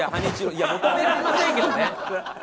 いや求められませんけどね！